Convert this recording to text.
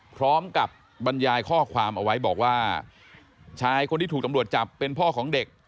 พร้อมกับบรรยายข้อความเอาไว้บอกว่าชายคนที่ถูกตำรวจจับเป็นพ่อของเด็ก